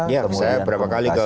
ya saya berapa kali ke wijaya caste